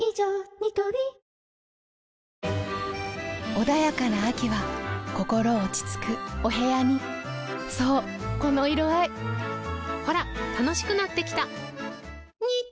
ニトリ穏やかな秋は心落ち着くお部屋にそうこの色合いほら楽しくなってきた！